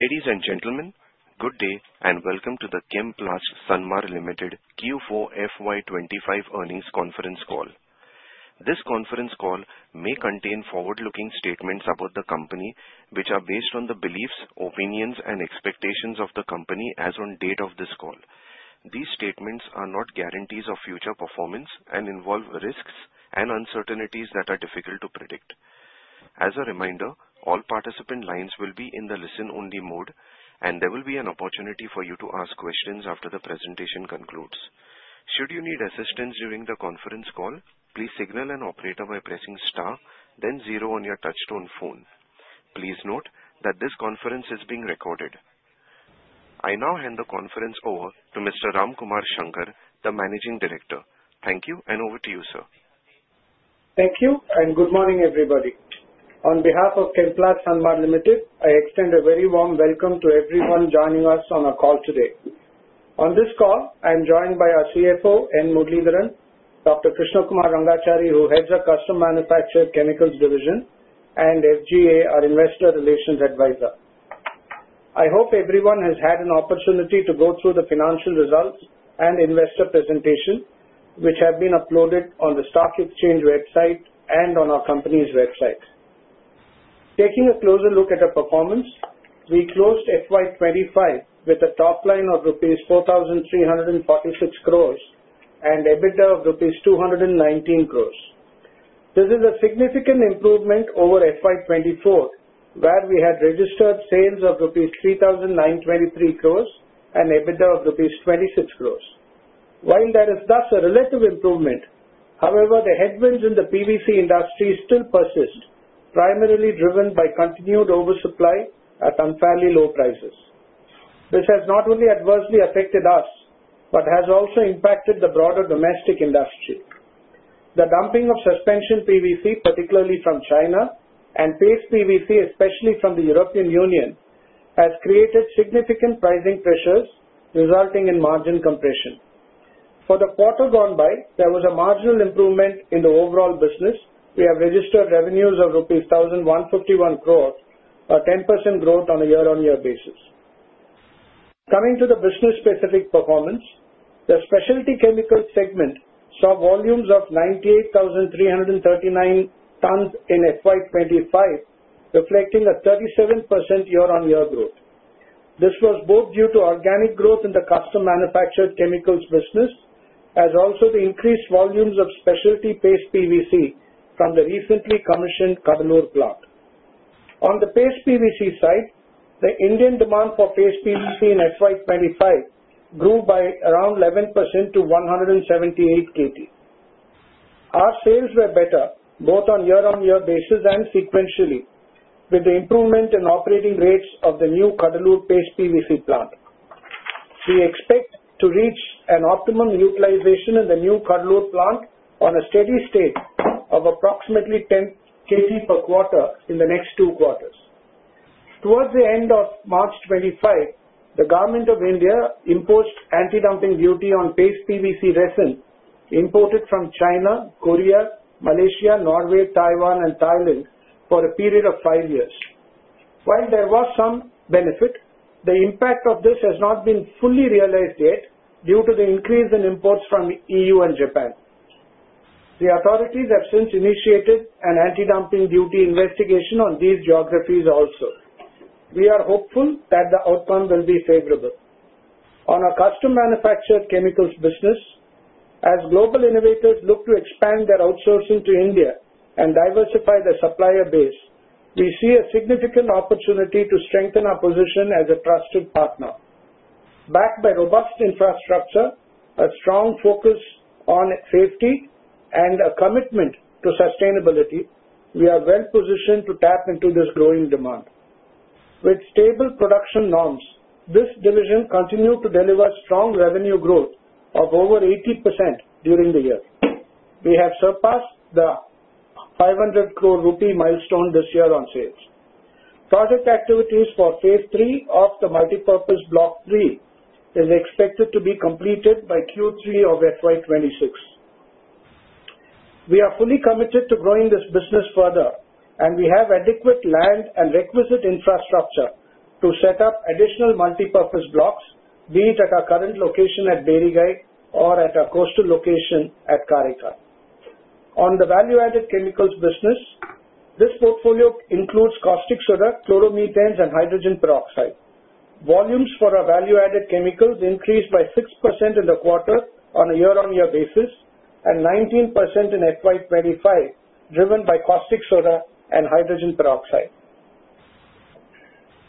Ladies and gentlemen, good day and welcome to the Chemplast Sanmar Limited Q4 FY25 Earnings Conference Call. This conference call may contain forward-looking statements about the company, which are based on the beliefs, opinions, and expectations of the company as of the date of this call. These statements are not guarantees of future performance and involve risks and uncertainties that are difficult to predict. As a reminder, all participant lines will be in the listen-only mode, and there will be an opportunity for you to ask questions after the presentation concludes. Should you need assistance during the conference call, please signal an operator by pressing star, then zero on your touch-tone phone. Please note that this conference is being recorded. I now hand the conference over to Mr. Ramkumar Shankar, the Managing Director. Thank you, and over to you, sir. Thank you, and good morning, everybody. On behalf of Chemplast Sanmar Limited, I extend a very warm welcome to everyone joining us on our call today. On this call, I'm joined by our CFO, N. Muralidharan, Dr. Krishna Kumar Rangachari, who heads our Custom Manufactured Chemicals Division, and SGA, our Investor Relations Advisor. I hope everyone has had an opportunity to go through the financial results and investor presentation, which have been uploaded on the stock exchange website and on our company's website. Taking a closer look at our performance, we closed FY 2025 with a top line of 4,346 crores rupees and EBITDA of 219 crores rupees. This is a significant improvement over FY 2024, where we had registered sales of rupees 3,923 crores and EBITDA of rupees 26 crores. While there is thus a relative improvement, however, the headwinds in the PVC industry still persist, primarily driven by continued oversupply at unfairly low prices. This has not only adversely affected us but has also impacted the broader domestic industry. The dumping of suspension PVC, particularly from China, and Paste PVC, especially from the European Union, has created significant pricing pressures, resulting in margin compression. For the quarter gone by, there was a marginal improvement in the overall business. We have registered revenues of rupees 1,151 crores, a 10% growth on a year-on-year basis. Coming to the business-specific performance, the specialty chemicals segment saw volumes of 98,339 tons in FY 2025, reflecting a 37% year-on-year growth. This was both due to organic growth in the custom manufactured chemicals business, as well as the increased volumes of specialty Paste PVC from the recently commissioned Cuddalore plant. On the Paste PVC side, the Indian demand for Paste PVC in FY 2025 grew by around 11% to 178 KT. Our sales were better, both on a year-on-year basis and sequentially, with the improvement in operating rates of the new Cuddalore Paste PVC plant. We expect to reach an optimum utilization in the new Cuddalore plant on a steady state of approximately 10 KT per quarter in the next two quarters. Towards the end of March 2025, the Government of India imposed an anti-dumping duty on Paste PVC resin imported from China, Korea, Malaysia, Norway, Taiwan, and Thailand for a period of five years. While there was some benefit, the impact of this has not been fully realized yet due to the increase in imports from the EU and Japan. The authorities have since initiated an anti-dumping duty investigation on these geographies also. We are hopeful that the outcome will be favorable. On our Custom Manufactured Chemicals business, as global innovators look to expand their outsourcing to India and diversify their supplier base, we see a significant opportunity to strengthen our position as a trusted partner. Backed by robust infrastructure, a strong focus on safety, and a commitment to sustainability, we are well-positioned to tap into this growing demand. With stable production norms, this division continued to deliver strong revenue growth of over 80% during the year. We have surpassed the 500 crore rupee milestone this year on sales. Project activities for Phase three of the multipurpose block three are expected to be completed by Q3 of FY 2026. We are fully committed to growing this business further, and we have adequate land and requisite infrastructure to set up additional multipurpose blocks, be it at our current location at Berigai or at our coastal location at Karaikal. On the value-added chemicals business, this portfolio includes caustic soda, chloromethanes, and hydrogen peroxide. Volumes for our value-added chemicals increased by 6% in the quarter on a year-on-year basis and 19% in FY 2025, driven by caustic soda and hydrogen peroxide.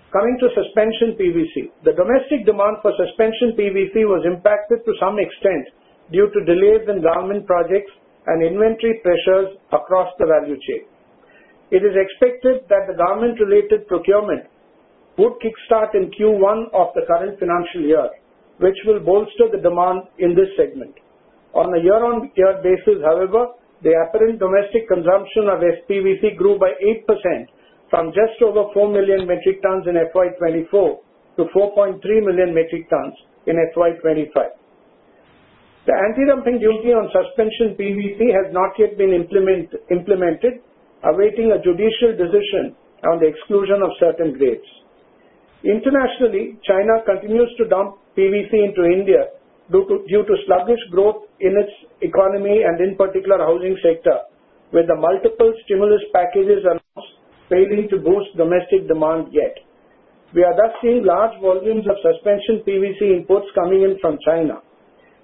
Coming to Suspension PVC, the domestic demand for Suspension PVC was impacted to some extent due to delays in government projects and inventory pressures across the value chain. It is expected that the government-related procurement would kick-start in Q1 of the current financial year, which will bolster the demand in this segment. On a year-on-year basis, however, the apparent domestic consumption of PVC grew by 8% from just over 4 million metric tons in FY 2024 to 4.3 million metric tons in FY 2025. The anti-dumping duty on suspension PVC has not yet been implemented, awaiting a judicial decision on the exclusion of certain grades. Internationally, China continues to dump PVC into India due to sluggish growth in its economy and, in particular, the housing sector, with the multiple stimulus packages announced failing to boost domestic demand yet. We are thus seeing large volumes of Suspension PVC inputs coming in from China.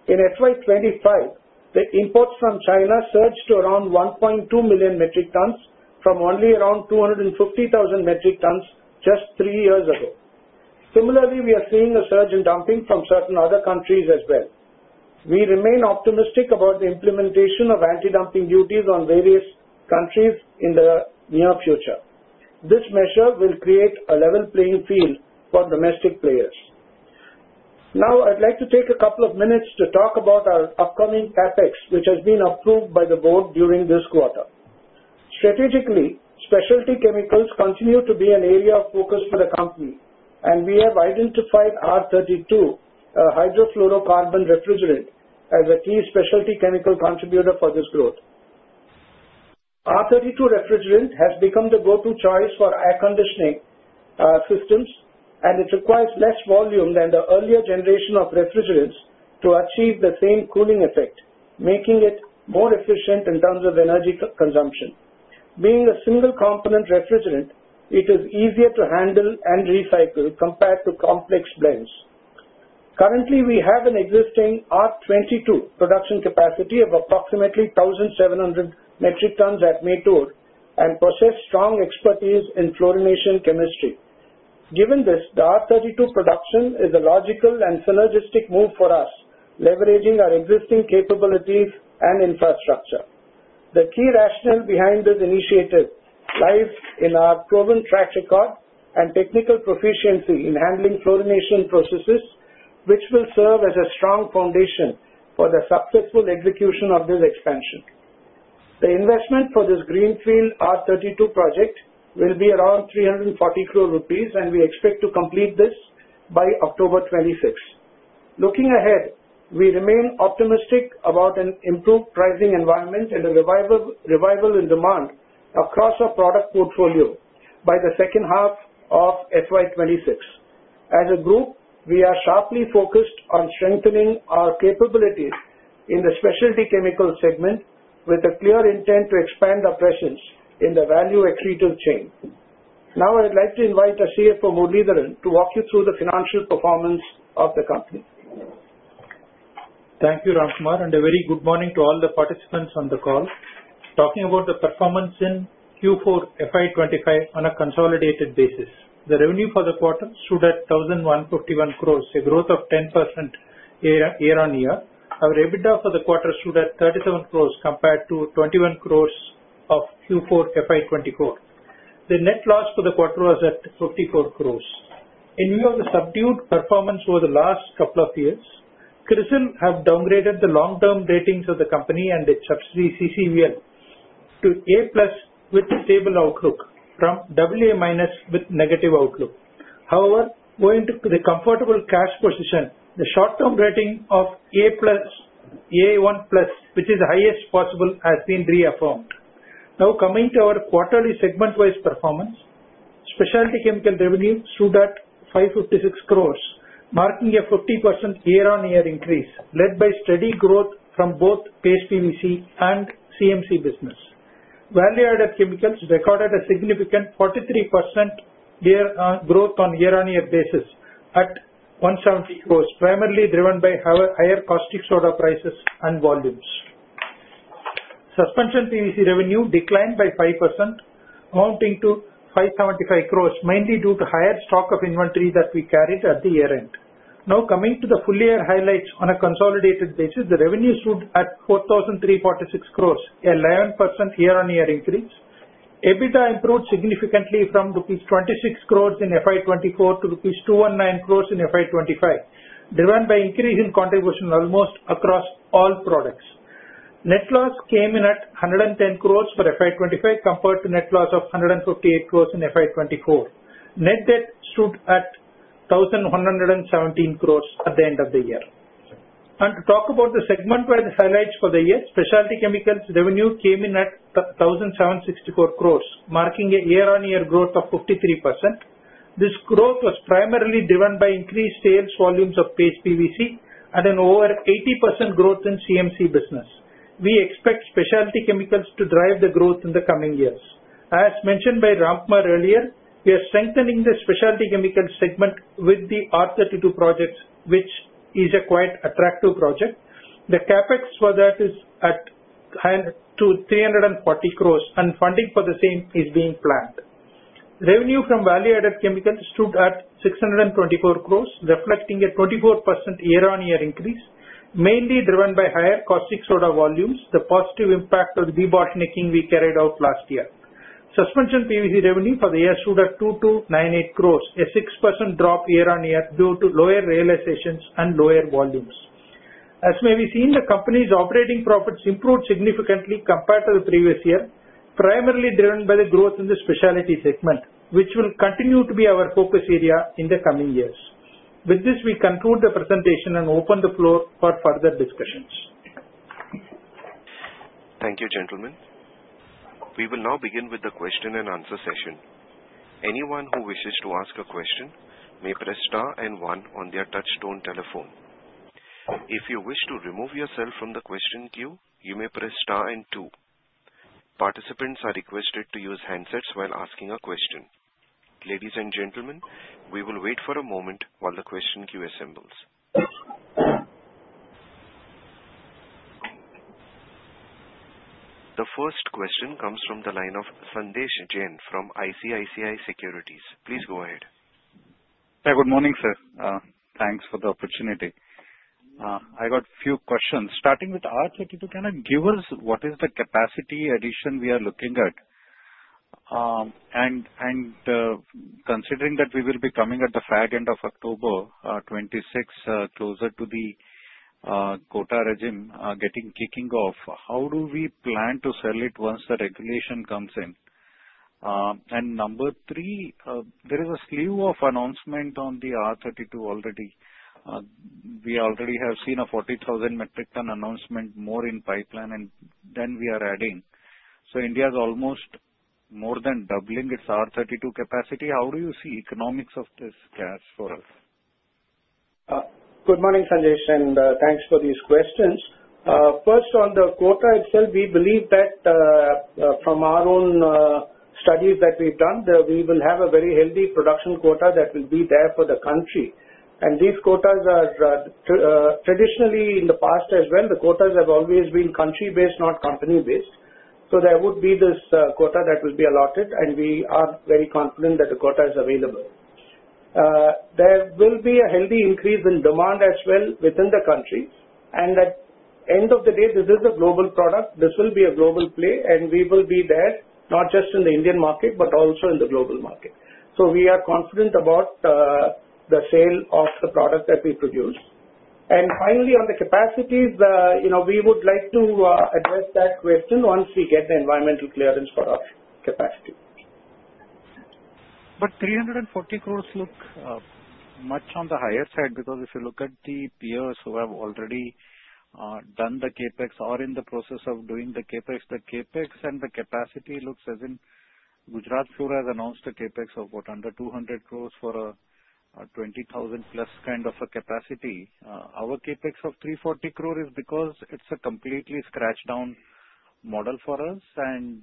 In FY 2025, the imports from China surged to around 1.2 million metric tons from only around 250,000 metric tons just three years ago. Similarly, we are seeing a surge in dumping from certain other countries as well. We remain optimistic about the implementation of anti-dumping duties on various countries in the near future. This measure will create a level playing field for domestic players. Now, I'd like to take a couple of minutes to talk about our upcoming CapEx, which has been approved by the board during this quarter. Strategically, specialty chemicals continue to be an area of focus for the company, and we have identified R-32, a hydrofluorocarbon refrigerant, as a key specialty chemical contributor for this growth. R-32 refrigerant has become the go-to choice for air conditioning systems, and it requires less volume than the earlier generation of refrigerants to achieve the same cooling effect, making it more efficient in terms of energy consumption. Being a single-component refrigerant, it is easier to handle and recycle compared to complex blends. Currently, we have an existing R22 production capacity of approximately 1,700 metric tons at Mettur and possess strong expertise in fluorination chemistry. Given this, the R-32 production is a logical and synergistic move for us, leveraging our existing capabilities and infrastructure. The key rationale behind this initiative lies in our proven track record and technical proficiency in handling fluorination processes, which will serve as a strong foundation for the successful execution of this expansion. The investment for this greenfield R-32 project will be around 340 crore rupees, and we expect to complete this by October 26, 2025. Looking ahead, we remain optimistic about an improved pricing environment and a revival in demand across our product portfolio by the second half of FY 2026. As a group, we are sharply focused on strengthening our capabilities in the specialty chemicals segment, with a clear intent to expand our presence in the value-accretive chain. Now, I'd like to invite our CFO, N. Muralidharan, to walk you through the financial performance of the company. Thank you, Ramkumar, and a very good morning to all the participants on the call. Talking about the performance in Q4 FY 2025 on a consolidated basis, the revenue for the quarter stood at 1,151 crores, a growth of 10% year-on-year. Our EBITDA for the quarter stood at 37 crore compared to 21 crore of Q4 FY 2024. The net loss for the quarter was at 54 crore. In view of the subdued performance over the last couple of years, CRISIL has downgraded the long-term ratings of the company and its subsidiary, CCVL, to A+ with stable outlook from AA- with negative outlook. However, going to the comfortable cash position, the short-term rating of A1+, which is the highest possible, has been reaffirmed. Now, coming to our quarterly segment-wise performance, specialty chemical revenue stood at 556 crore, marking a 50% year-on-year increase, led by steady growth from both Paste PVC and CMC business. Value-added chemicals recorded a significant 43% growth on a year-on-year basis at 170 crore, primarily driven by higher caustic soda prices and volumes. Suspension PVC revenue declined by 5%, amounting to 575 crore, mainly due to higher stock of inventory that we carried at the year-end. Now, coming to the full-year highlights on a consolidated basis, the revenue stood at 4,346 crore, a 11% year-on-year increase. EBITDA improved significantly from rupees 26 crore in FY 2024 to rupees 219 crore in FY 2025, driven by increase in contribution almost across all products. Net loss came in at 110 crore for FY25 compared to net loss of 158 crore in FY24. Net debt stood at 1,117 crore at the end of the year, and to talk about the segment-wise highlights for the year, specialty chemicals revenue came in at 1,764 crore, marking a year-on-year growth of 53%. This growth was primarily driven by increased sales volumes of Paste PVC and an over 80% growth in CMC business. We expect specialty chemicals to drive the growth in the coming years. As mentioned by Ramkumar earlier, we are strengthening the specialty chemicals segment with the R-32 project, which is a quite attractive project. The CapEx for that is at 340 crore, and funding for the same is being planned. Revenue from value-added chemicals stood at 624 crore, reflecting a 24% year-on-year increase, mainly driven by higher caustic soda volumes, the positive impact of the debottlenecking we carried out last year. Suspension PVC revenue for the year stood at 2,298 crore, a 6% drop year-on-year due to lower realizations and lower volumes. As may be seen, the company's operating profits improved significantly compared to the previous year, primarily driven by the growth in the specialty segment, which will continue to be our focus area in the coming years. With this, we conclude the presentation and open the floor for further discussions. Thank you, gentlemen. We will now begin with the question-and-answer session. Anyone who wishes to ask a question may press star and one on their touch-tone telephone. If you wish to remove yourself from the question queue, you may press star and two. Participants are requested to use handsets while asking a question. Ladies and gentlemen, we will wait for a moment while the question queue assembles. The first question comes from the line of Sanjesh Jain from ICICI Securities. Please go ahead. Yeah, good morning, sir. Thanks for the opportunity. I got a few questions. Starting with R-32, can I give us what is the capacity addition we are looking at? And considering that we will be coming at the fag end of October 2026, closer to the quota regime getting kicking off, how do we plan to sell it once the regulation comes in? And number three, there is a slew of announcements on the R-32 already. We already have seen a 40,000 metric ton announcement more in pipeline, and then we are adding. So India is almost more than doubling its R-32 capacity. How do you see the economics of this gas for us? Good morning, Sanjesh, and thanks for these questions. First, on the quota itself, we believe that from our own studies that we've done, we will have a very healthy production quota that will be there for the country, and these quotas are traditionally in the past as well, the quotas have always been country-based, not company-based. So there would be this quota that will be allotted, and we are very confident that the quota is available. There will be a healthy increase in demand as well within the country, and at the end of the day, this is a global product. This will be a global play, and we will be there, not just in the Indian market, but also in the global market, so we are confident about the sale of the product that we produce. Finally, on the capacities, we would like to address that question once we get the environmental clearance for our capacity. But 340 crores looks much on the higher side because if you look at the peers who have already done the CapEx or in the process of doing the CapEx, the CapEx and the capacity looks, as in Gujarat Fluorochemicals has announced a CapEx of what, under 200 crores for a 20,000 plus kind of a capacity. Our CapEx of 340 crore is because it's a completely scratch-down model for us. And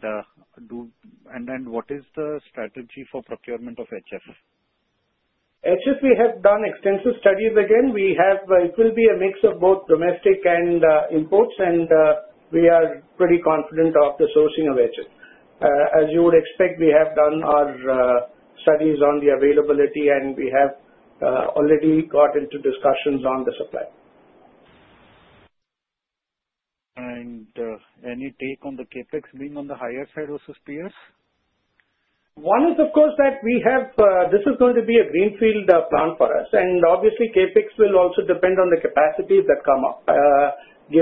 what is the strategy for procurement of HF? HF, we have done extensive studies again. It will be a mix of both domestic and imports, and we are pretty confident of the sourcing of HF. As you would expect, we have done our studies on the availability, and we have already got into discussions on the supply. Any take on the CapEx being on the higher side versus peers? One is, of course, that we have this is going to be a greenfield plant for us. And obviously, CapEx will also depend on the capacities that come up. As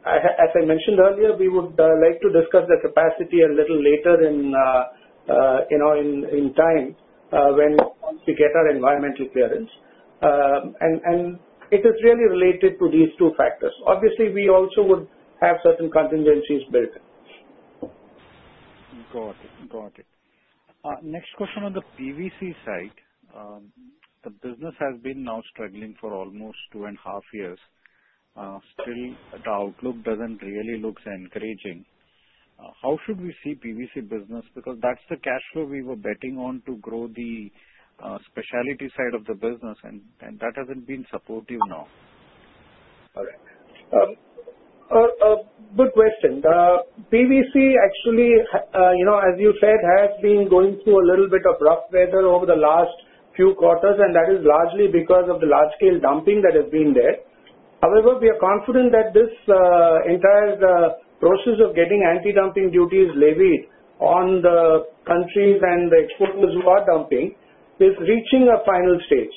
I mentioned earlier, we would like to discuss the capacity a little later in time when we get our environmental clearance. And it is really related to these two factors. Obviously, we also would have certain contingencies built in. Got it. Got it. Next question on the PVC side. The business has been now struggling for almost two and a half years. Still, the outlook doesn't really look so encouraging. How should we see PVC business? Because that's the cash flow we were betting on to grow the specialty side of the business, and that hasn't been supportive now. All right. Good question. PVC, actually, as you said, has been going through a little bit of rough weather over the last few quarters, and that is largely because of the large-scale dumping that has been there. However, we are confident that this entire process of getting anti-dumping duties levied on the countries and the exporters who are dumping is reaching a final stage.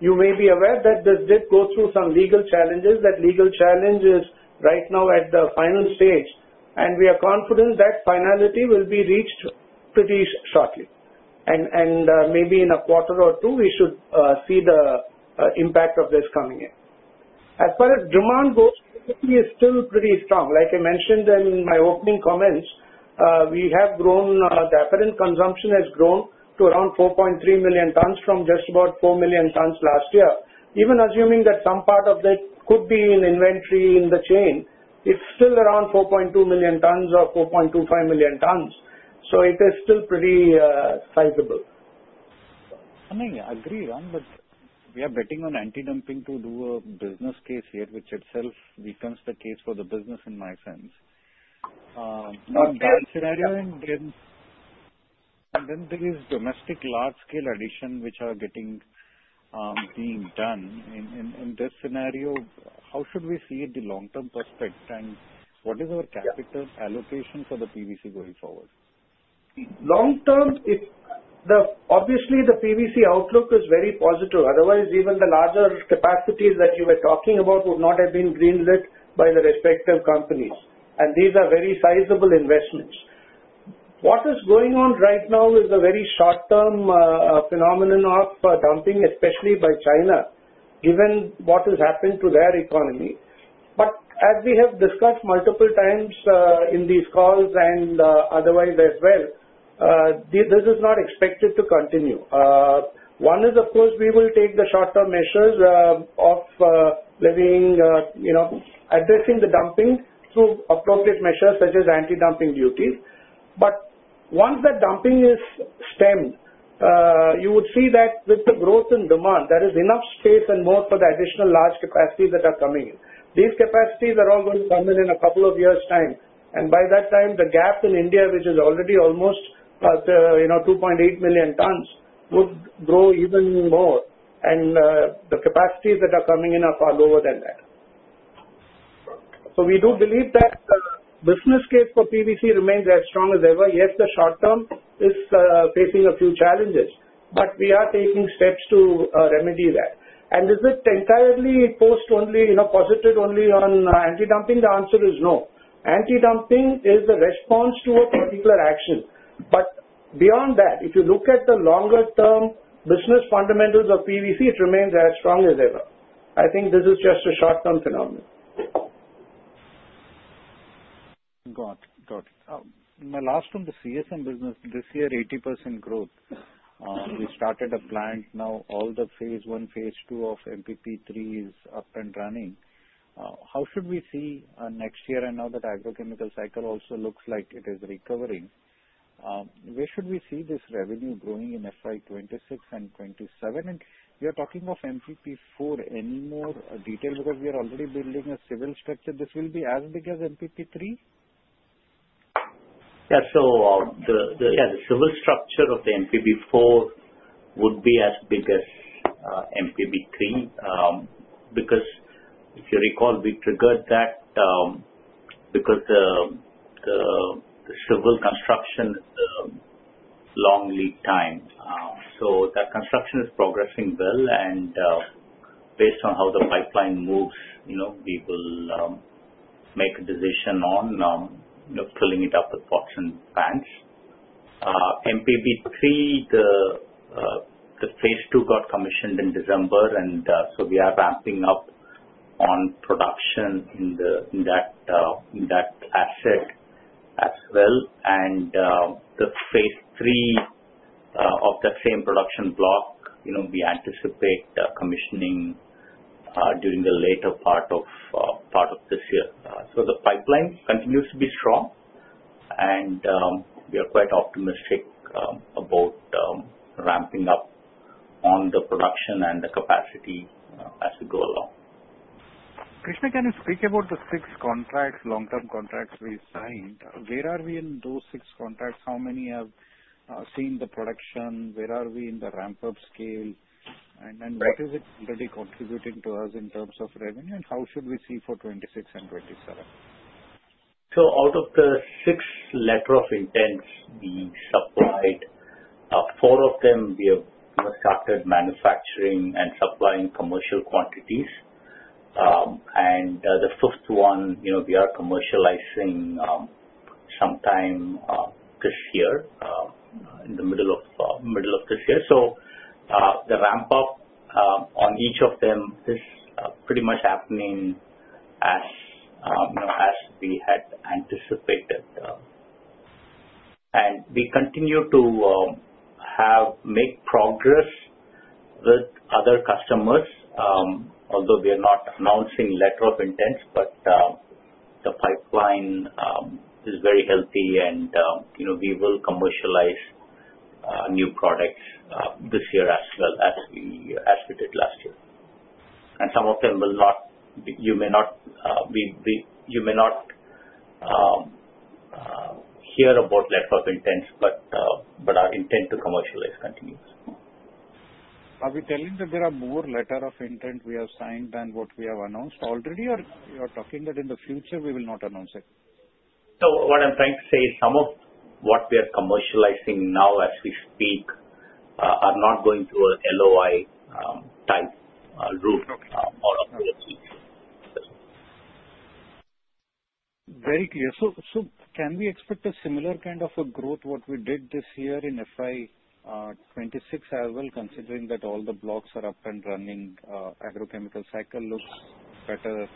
You may be aware that this did go through some legal challenges. That legal challenge is right now at the final stage, and we are confident that finality will be reached pretty shortly, and maybe in a quarter or two, we should see the impact of this coming in. As far as demand goes, it is still pretty strong. Like I mentioned in my opening comments, the apparent consumption has grown to around 4.3 million tons from just about 4 million tons last year. Even assuming that some part of it could be in inventory in the chain, it's still around 4.2 million tons or 4.25 million tons, so it is still pretty sizable. I mean, I agree, Ram, but we are betting on anti-dumping to do a business case here, which itself becomes the case for the business in my sense. In that scenario, and then there is domestic large-scale additions which are being done. In this scenario, how should we see it in the long-term perspective, and what is our capital allocation for the PVC going forward? Long-term, obviously, the PVC outlook is very positive. Otherwise, even the larger capacities that you were talking about would not have been greenlit by the respective companies. And these are very sizable investments. What is going on right now is a very short-term phenomenon of dumping, especially by China, given what has happened to their economy. But as we have discussed multiple times in these calls and otherwise as well, this is not expected to continue. One is, of course, we will take the short-term measures of addressing the dumping through appropriate measures such as anti-dumping duties. But once that dumping is stemmed, you would see that with the growth in demand, there is enough space and more for the additional large capacities that are coming in. These capacities are all going to come in in a couple of years' time. And by that time, the gap in India, which is already almost 2.8 million tons, would grow even more. And the capacities that are coming in are far lower than that. So we do believe that the business case for PVC remains as strong as ever. Yes, the short-term is facing a few challenges, but we are taking steps to remedy that. And is it entirely positive only on anti-dumping? The answer is no. Anti-dumping is a response to a particular action. But beyond that, if you look at the longer-term business fundamentals of PVC, it remains as strong as ever. I think this is just a short-term phenomenon. Got it. Got it. My last on the CMC business, this year, 80% growth. We started a plant. Now all the phase one, phase two of MPB 3 is up and running. How should we see next year? I know that agrochemical cycle also looks like it is recovering. Where should we see this revenue growing in FY 2026 and FY 2027? And we are talking of MPB 4. Any more detail? Because we are already building a civil structure. This will be as big as MPB 3? Yeah. So yeah, the civil structure of the MPB 4 would be as big as MPB 3 because if you recall, we triggered that because the civil construction is a long lead time. So that construction is progressing well. Based on how the pipeline moves, we will make a decision on filling it up with pots and pans. MPB 3, the phase two got commissioned in December, and so we are ramping up on production in that asset as well. The phase three of that same production block, we anticipate commissioning during the later part of this year. The pipeline continues to be strong, and we are quite optimistic about ramping up on the production and the capacity as we go along. Krishna, can you speak about the six contracts, long-term contracts we signed? Where are we in those six contracts? How many have seen the production? Where are we in the ramp-up scale? And what is it already contributing to us in terms of revenue? And how should we see for 2026 and 2027? Out of the six letters of intent we supplied, four of them we have started manufacturing and supplying commercial quantities. The fifth one, we are commercializing sometime this year, in the middle of this year. The ramp-up on each of them is pretty much happening as we had anticipated. We continue to make progress with other customers, although we are not announcing letters of intent, but the pipeline is very healthy, and we will commercialize new products this year as well as we did last year. Some of them, you may not hear about letters of intent, but our intent to commercialize continues. Are we telling that there are more letters of intent we have signed than what we have announced already, or you are talking that in the future we will not announce it? So what I'm trying to say is some of what we are commercializing now as we speak are not going through a LOI-type route or approach. Very clear. So can we expect a similar kind of growth, what we did this year in FY 2026 as well, considering that all the blocks are up and running? Agrochemical cycle looks better.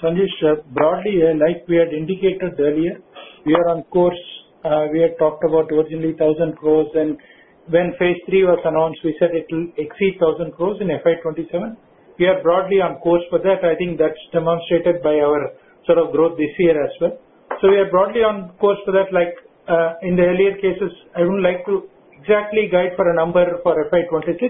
Sanjesh, broadly, like we had indicated earlier, we are on course. We had talked about originally 1,000 crores, and when phase three was announced, we said it will exceed 1,000 crores in FY 2027. We are broadly on course for that. I think that's demonstrated by our sort of growth this year as well. So we are broadly on course for that. Like in the earlier cases, I wouldn't like to exactly guide for a number for FY 2026,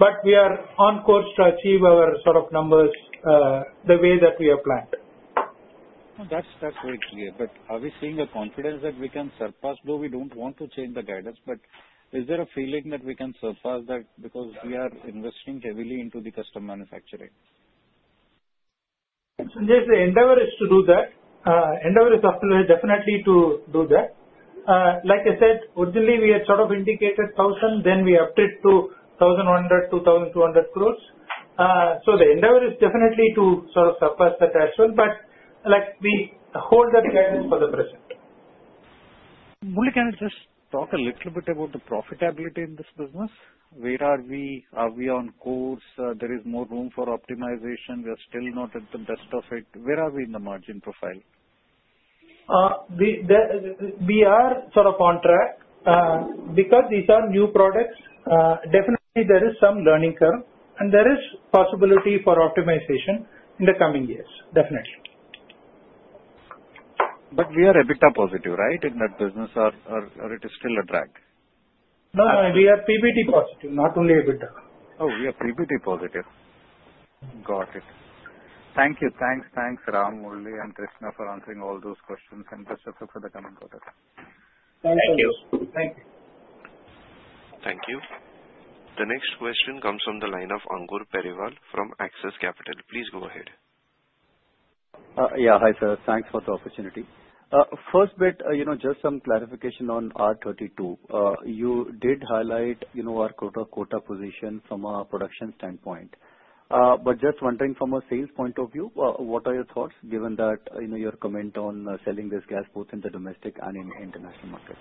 but we are on course to achieve our sort of numbers the way that we have planned. That's very clear. But are we seeing a confidence that we can surpass though? We don't want to change the guidance, but is there a feeling that we can surpass that because we are investing heavily into the custom manufacturing? Sanjesh, the endeavor is to do that. The endeavor is definitely to do that. Like I said, originally we had sort of indicated 1,000, then we upped it to 1,100, 2,200 crores. So the endeavor is definitely to sort of surpass that as well, but we hold that guidance for the present. Would you kind of just talk a little bit about the profitability in this business? Where are we? Are we on course? There is more room for optimization. We are still not at the best of it. Where are we in the margin profile? We are sort of on track because these are new products. Definitely, there is some learning curve, and there is possibility for optimization in the coming years, definitely. But we are EBITDA positive, right, in that business, or it is still a drag? No, no. We are PBT positive, not only EBITDA. Oh, we are PBT positive. Got it. Thank you. Thanks, Ram, Murali, and Krishna for answering all those questions, and best of luck for the coming quarter. Thank you. Thank you. Thank you. The next question comes from the line of Ankur Periwal from Axis Capital. Please go ahead. Yeah. Hi, sir. Thanks for the opportunity. First bit, just some clarification on R-32. You did highlight our quota position from a production standpoint. But just wondering, from a sales point of view, what are your thoughts, given your comment on selling this gas both in the domestic and in international market?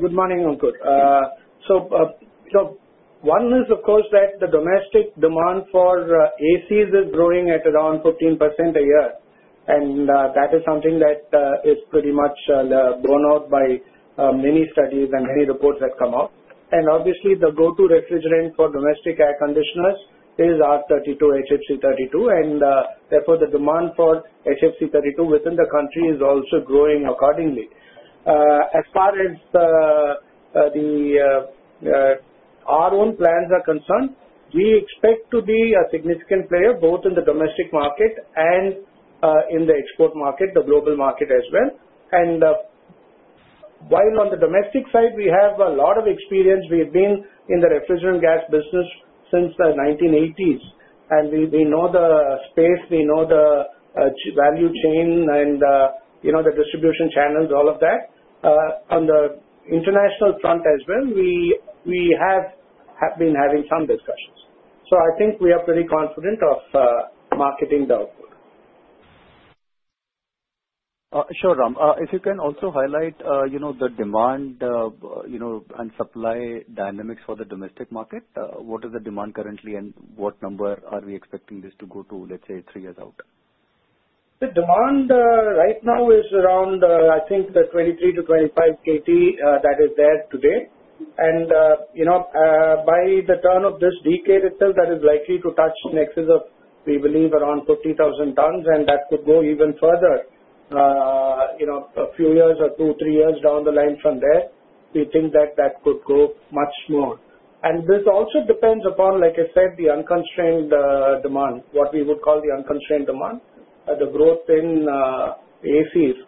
Good morning, Ankur. So one is, of course, that the domestic demand for ACs is growing at around 15% a year, and that is something that is pretty much borne out by many studies and many reports that come out, and obviously, the go-to refrigerant for domestic air conditioners is R-32, HFC32, and therefore, the demand for HFC32 within the country is also growing accordingly. As far as our own plans are concerned, we expect to be a significant player both in the domestic market and in the export market, the global market as well, and while on the domestic side, we have a lot of experience. We have been in the refrigerant gas business since the 1980s, and we know the space. We know the value chain and the distribution channels, all of that. On the international front as well, we have been having some discussions. So I think we are pretty confident of marketing the output. Sure, Ram. If you can also highlight the demand and supply dynamics for the domestic market, what is the demand currently, and what number are we expecting this to go to, let's say, three years out? The demand right now is around, I think, 23-25 KT that is there today, and by the turn of this decade itself, that is likely to touch in excess of, we believe, around 40,000 tons, and that could go even further, a few years or two, three years down the line from there. We think that that could go much more, and this also depends upon, like I said, the unconstrained demand, what we would call the unconstrained demand, the growth in ACs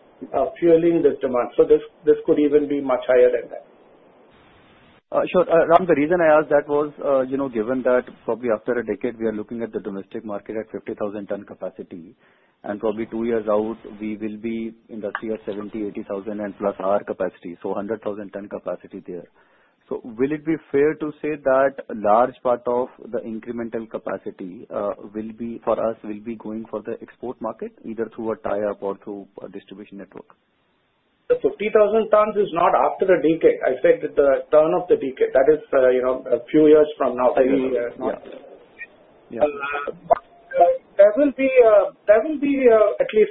fueling this demand, so this could even be much higher than that. Sure. Ram, the reason I asked that was given that probably after a decade, we are looking at the domestic market at 50,000 ton capacity. Probably two years out, we will be industry at 70,000-80,000 and plus our capacity, so 100,000 ton capacity there. Will it be fair to say that a large part of the incremental capacity for us will be going for the export market, either through a tie-up or through a distribution network? The 50,000 tons is not after a decade. I said at the turn of the decade. That is a few years from now. Yeah. Yeah. At least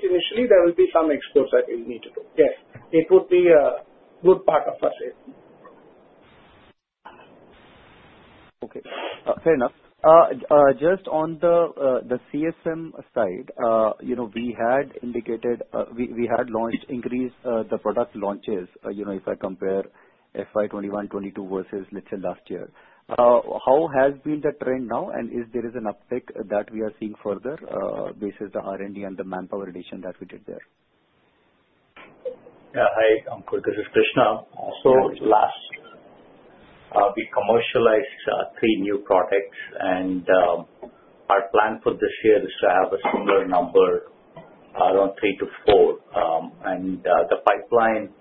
initially, there will be some exports that we'll need to do. Yes. It would be a good part of our sales. Okay. Fair enough. Just on the CMC side, we had indicated we had increased the product launches if I compare FY 2021, FY 2022 versus, let's say, last year. How has been the trend now, and if there is an uptick that we are seeing further based on the R&D and the manpower addition that we did there? Yeah. Hi, Ankur. This is Krishna. So last year, we commercialized three new products, and our plan for this year is to have a similar number, around three to four. And the pipeline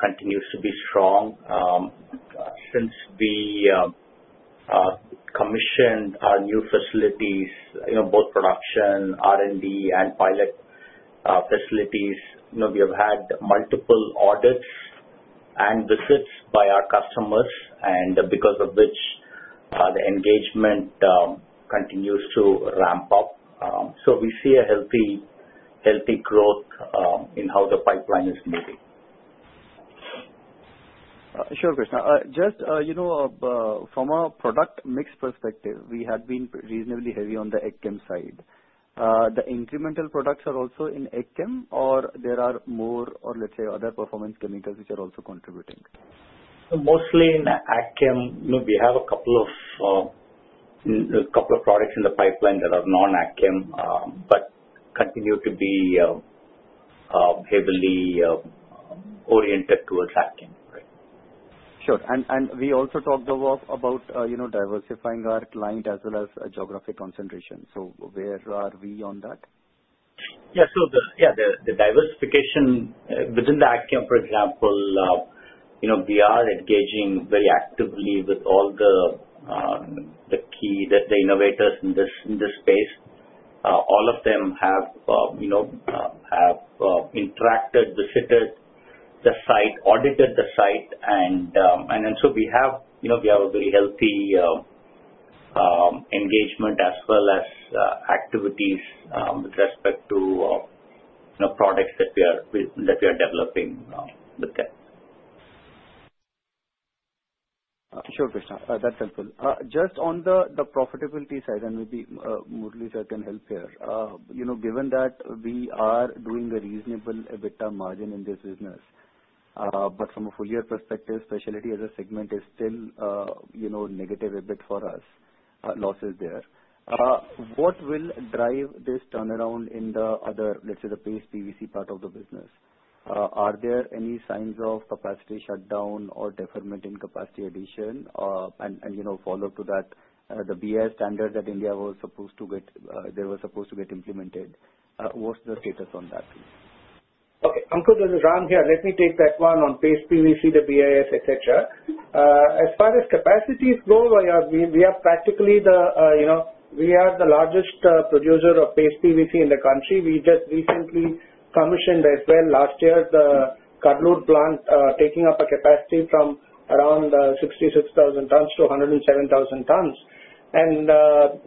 continues to be strong. Since we commissioned our new facilities, both production, R&D, and pilot facilities, we have had multiple audits and visits by our customers, and because of which the engagement continues to ramp up. So we see a healthy growth in how the pipeline is moving. Sure, Krishna. Just from a product mix perspective, we had been reasonably heavy on the Agchem side. The incremental products are also in Agchem, or there are more, or let's say, other performance chemicals which are also contributing? Mostly in Agchem. We have a couple of products in the pipeline that are non-Agchem but continue to be heavily oriented towards Agchem. Sure. And we also talked about diversifying our client as well as geographic concentration. So where are we on that? Yeah. So yeah, the diversification within the Agchem, for example, we are engaging very actively with all the key innovators in this space. All of them have interacted, visited the site, audited the site. And so we have a very healthy engagement as well as activities with respect to products that we are developing with them. Sure, Krishna. That's helpful. Just on the profitability side, and maybe Murlidharan can help here, given that we are doing a reasonable EBITDA margin in this business, but from a full-year perspective, specialty as a segment is still negative a bit for us, losses there. What will drive this turnaround in the other, let's say, the Paste PVC part of the business? Are there any signs of capacity shutdown or deferment in capacity addition? And follow to that, the BIS standard that India was supposed to get they were supposed to get implemented. What's the status on that? Okay. Ankur, there's a Ram here. Let me take that one on Paste PVC, the BIS, etc. As far as capacities go, we are practically the largest producer of Paste PVC in the country. We just recently commissioned as well last year the Cuddalore plant, taking up a capacity from around 66,000 tons to 107,000 tons. And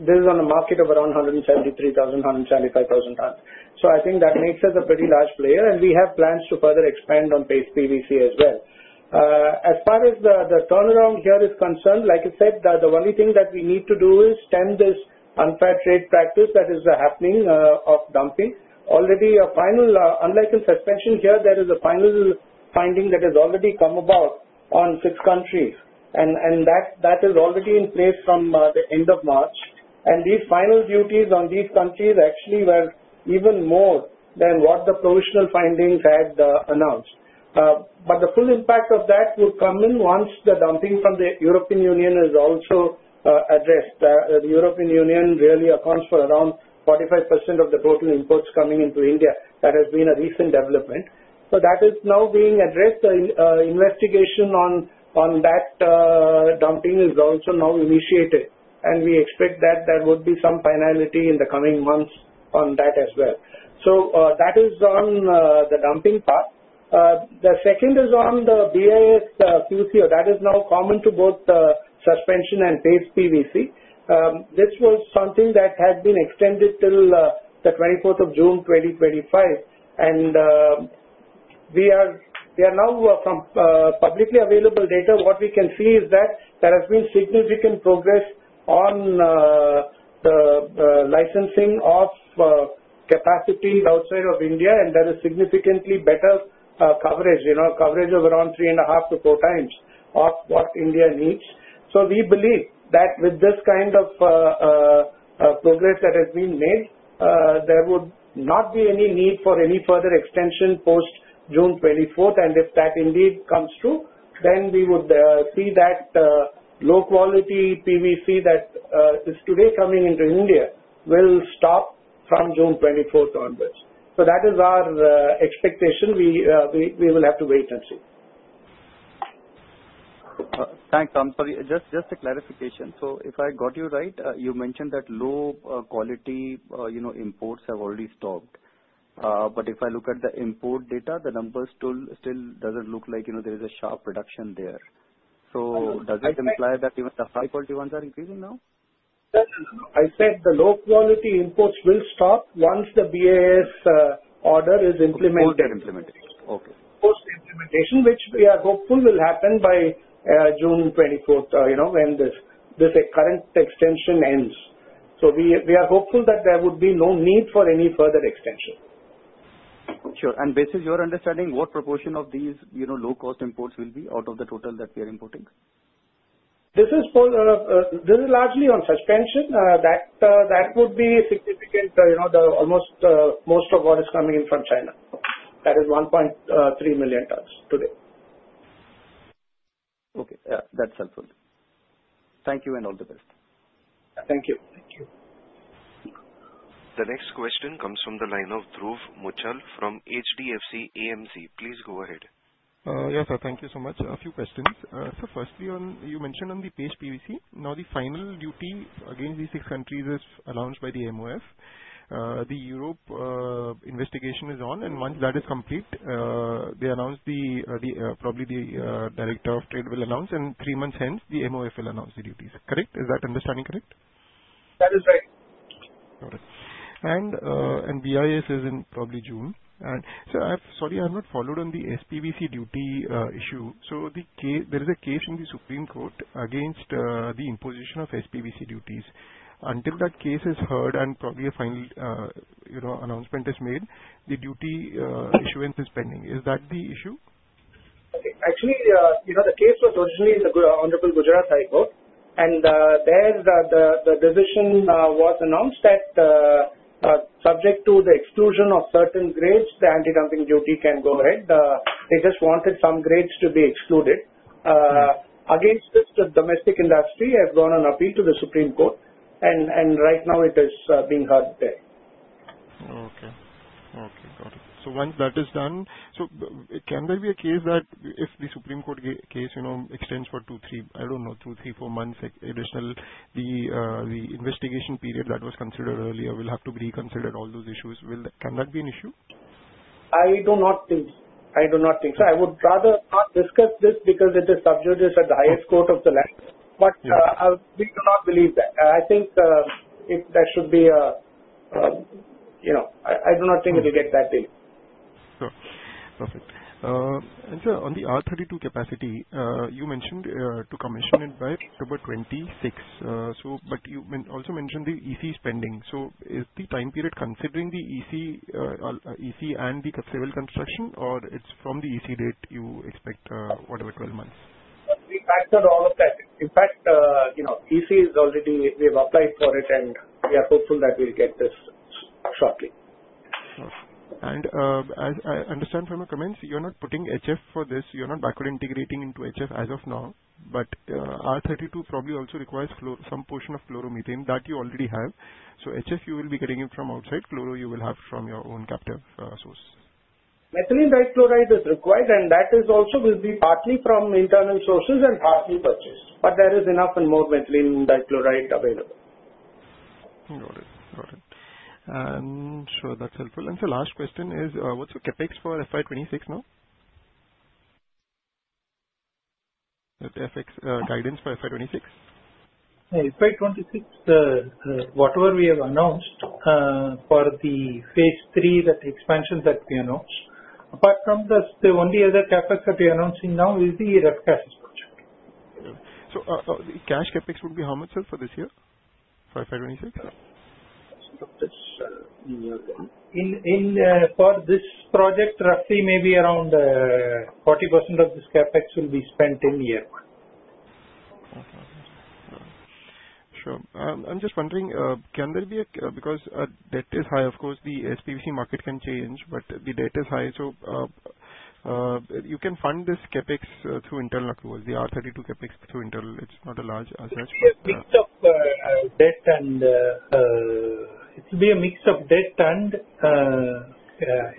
this is on a market of around 173,000-175,000 tons. So I think that makes us a pretty large player, and we have plans to further expand on Paste PVC as well. As far as the turnaround here is concerned, like I said, the only thing that we need to do is stem this unfair trade practice that is happening of dumping. Already, there is a final finding that has already come about on six countries. And that is already in place from the end of March. And these final duties on these countries actually were even more than what the provisional findings had announced. But the full impact of that would come in once the dumping from the European Union is also addressed. The European Union really accounts for around 45% of the total imports coming into India. That has been a recent development. So that is now being addressed. The investigation on that dumping is also now initiated, and we expect that there would be some finality in the coming months on that as well. So that is on the dumping part. The second is on the BIS QCO. That is now common to both Ssuspension and Paste PVC. This was something that had been extended till the 24th of June, 2025. We are now from publicly available data, what we can see is that there has been significant progress on the licensing of capacity outside of India, and there is significantly better coverage, coverage of around 3.5-4x of what India needs. We believe that with this kind of progress that has been made, there would not be any need for any further extension post June 24th. If that indeed comes true, then we would see that low-quality PVC that is today coming into India will stop from June 24th onwards. That is our expectation. We will have to wait and see. Thanks, Ram. Sorry. Just a clarification. So if I got you right, you mentioned that low-quality imports have already stopped. But if I look at the import data, the number still doesn't look like there is a sharp reduction there. So does it imply that even the high-quality ones are increasing now? I said the low-quality imports will stop once the BIS order is implemented. Order implemented. Okay. Post implementation, which we are hopeful will happen by June 24th when this current extension ends. So we are hopeful that there would be no need for any further extension. Sure. And based on your understanding, what proportion of these low-cost imports will be out of the total that we are importing? This is largely on suspension. That would be significant. Almost most of what is coming in from China. That is 1.3 million tons today. Okay. That's helpful. Thank you, and all the best. Thank you. Thank you. The next question comes from the line of Dhruv Muchhal from HDFC AMC. Please go ahead. Yes, sir. Thank you so much. A few questions. So firstly, you mentioned on the Paste PVC, now the final duty against these six countries is announced by the MOF. The Europe investigation is on, and once that is complete, they announce, probably the Director of Trade will announce, and three months hence, the MOF will announce the duties. Correct? Is that understanding correct? That is right. Got it. And BIS is in probably June. And sorry, I have not followed on the SPVC duty issue. So there is a case in the Supreme Court against the imposition of SPVC duties. Until that case is heard and probably a final announcement is made, the duty issuance is pending. Is that the issue? Actually, the case was originally in the Honorable Gujarat High Court, and there the decision was announced that subject to the exclusion of certain grades, the anti-dumping duty can go ahead. They just wanted some grades to be excluded. Against this, the domestic industry has gone on appeal to the Supreme Court, and right now it is being heard there. Okay. Okay. Got it. So once that is done, so can there be a case that if the Supreme Court case extends for two, three, I don't know, two, three, four months, additional, the investigation period that was considered earlier will have to be reconsidered, all those issues? Can that be an issue? I do not think so. I do not think so. I would rather not discuss this because it is sub judice at the highest court of the land. But we do not believe that. I do not think it will get that deal. Sure. Perfect. And sir, on the R-32 capacity, you mentioned to commission it by October 26. But you also mentioned the EC spending. So is the time period considering the EC and the civil construction, or it's from the EC date you expect whatever, 12 months? We factored all of that. In fact, we have already applied for EC, and we are hopeful that we'll get this shortly. And as I understand from your comments, you're not putting HF for this. You're not backward integrating into HF as of now. But R-32 probably also requires some portion of chloromethane that you already have. So HF, you will be getting it from outside. Chloro, you will have from your own captive source. Methylene dichloride is required, and that will also be partly from internal sources and partly purchased. But there is enough and more methylene dichloride available. Got it. Got it. And sure, that's helpful. And the last question is, what's your CapEx for FY26 now? The FX guidance for FY26? FY26, whatever we have announced for the phase three, that expansion that we announced, apart from the only other CapEx that we are announcing now, is the Ref Gas project. So cash CapEx would be how much for this year, for FY26? For this project, roughly maybe around 40% of this CapEx will be spent in year one. 40%. All right. Sure. I'm just wondering, can there be a because debt is high. Of course, the SPVC market can change, but the debt is high. So you can fund this CapEx through internal approvals, the R-32 CapEx through internal. It's not a large asset. It's a mix of debt, and it will be a mix of debt and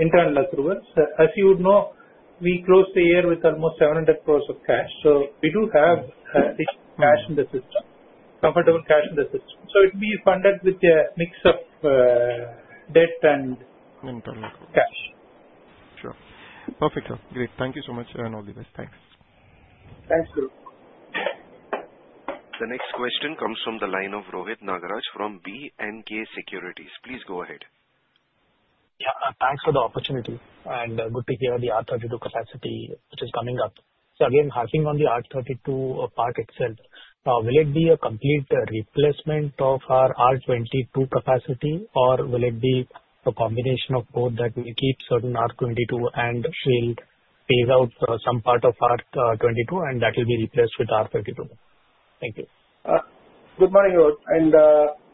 internal accruals. As you would know, we closed the year with almost 700 crore of cash. So we do have cash in the system, comfortable cash in the system. So it will be funded with a mix of debt and cash. Sure. Perfect. Great. Thank you so much, and all the best. Thanks. Thanks, Guru. The next question comes from the line of Rohit Nagraj from B&K Securities. Please go ahead. Yeah. Thanks for the opportunity, and good to hear the R-32 capacity which is coming up. So again, homing in on the R-32 part itself, will it be a complete replacement of our R22 capacity, or will it be a combination of both that we keep certain R22 and we should phase out some part of R22, and that will be replaced with R-32? Thank you. Good morning, Rohit. And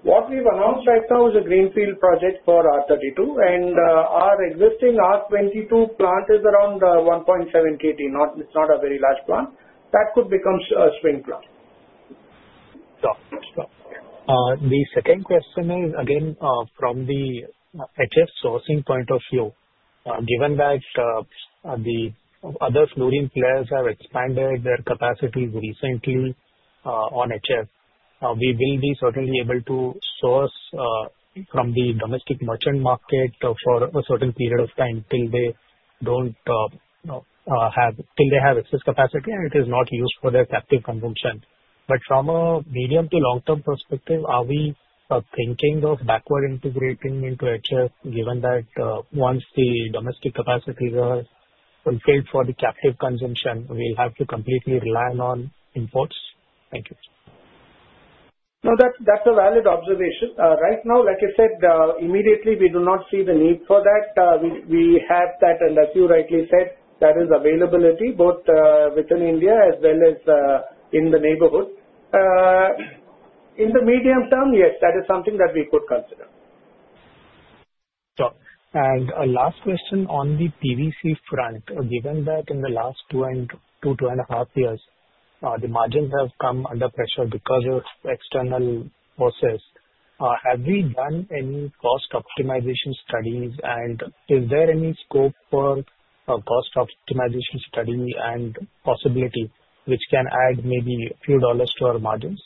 what we've announced right now is a greenfield project for R-32, and our existing R22 plant is around 1.7 KT. It's not a very large plant. That could become a swing plant. The second question is, again, from the HF sourcing point of view, given that the other floating players have expanded their capacities recently on HF, we will be certainly able to source from the domestic merchant market for a certain period of time till they have excess capacity, and it is not used for their captive consumption. But from a medium to long-term perspective, are we thinking of backward integrating into HF, given that once the domestic capacities are fulfilled for the captive consumption, we'll have to completely rely on imports? Thank you. No, that's a valid observation. Right now, like I said, immediately, we do not see the need for that. We have that, and as you rightly said, that is availability both within India as well as in the neighborhood. In the medium term, yes, that is something that we could consider. Sure, and last question on the PVC front, given that in the last two and a half years, the margins have come under pressure because of external forces, have we done any cost optimization studies, and is there any scope for a cost optimization study and possibility which can add maybe a few dollars to our margins?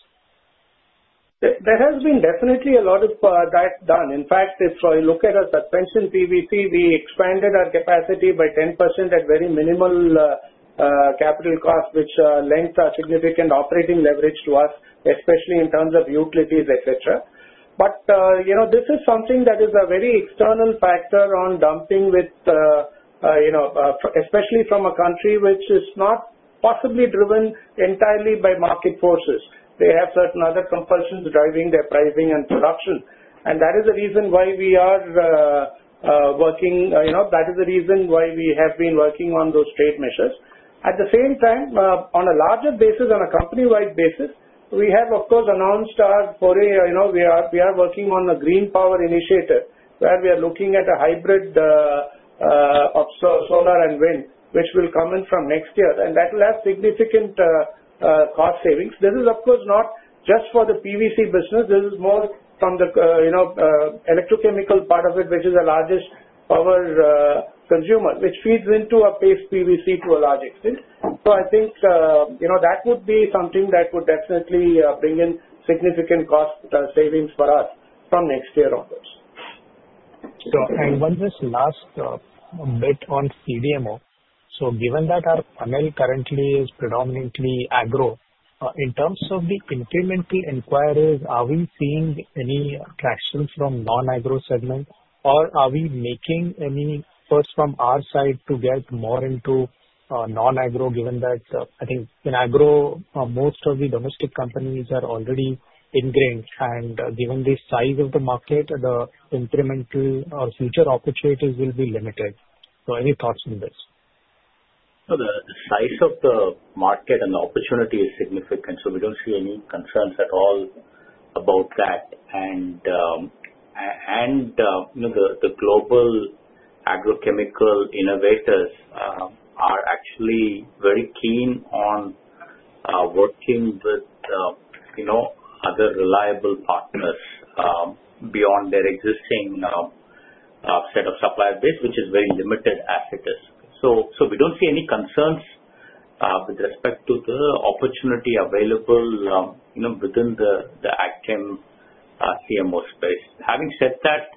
There has been definitely a lot of that done. In fact, if I look at our Suspension PVC, we expanded our capacity by 10% at very minimal capital cost, which lends a significant operating leverage to us, especially in terms of utilities, etc. But this is something that is a very external factor on dumping, especially from a country which is not possibly driven entirely by market forces. They have certain other compulsions driving their pricing and production. And that is the reason why we have been working on those trade measures. At the same time, on a larger basis, on a company-wide basis, we have, of course, announced our foray. We are working on a green power initiative where we are looking at a hybrid of solar and wind, which will come in from next year, and that will have significant cost savings. This is, of course, not just for the PVC business. This is more from the electrochemical part of it, which is the largest power consumer, which feeds into Paste PVC to a large extent. So I think that would be something that would definitely bring in significant cost savings for us from next year onwards. Sure. And one just last bit on CDMO. So given that our panel currently is predominantly agro, in terms of the incremental inquiries, are we seeing any traction from non-agro segment, or are we making any efforts from our side to get more into non-agro, given that I think in agro, most of the domestic companies are already ingrained, and given the size of the market, the incremental or future opportunities will be limited? So any thoughts on this? So the size of the market and the opportunity is significant, so we don't see any concerns at all about that. And the global agrochemical innovators are actually very keen on working with other reliable partners beyond their existing set of supply base, which is very limited as it is. So we don't see any concerns with respect to the opportunity available within the Agchem CMO space. Having said that,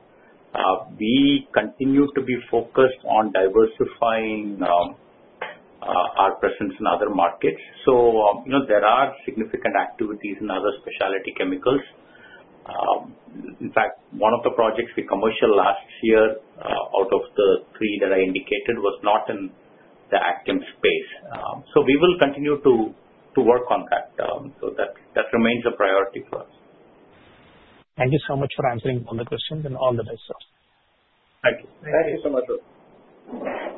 we continue to be focused on diversifying our presence in other markets. So there are significant activities in other specialty chemicals. In fact, one of the projects we commercialized last year out of the three that I indicated was not in the Agchem space. So we will continue to work on that. So that remains a priority for us. Thank you so much for answering all the questions and all the best. Thank you. Thank you so much, Rohit.